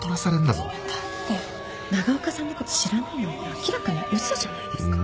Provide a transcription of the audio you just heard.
だって長岡さんのこと知らないなんて明らかに嘘じゃないですか。